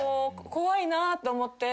怖いなと思って。